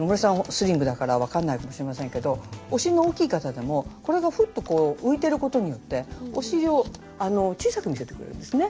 スリムだから分かんないかもしれませんけどお尻の大きい方でもこれがふっとこう浮いてることによってお尻を小さく見せてくれるんですね。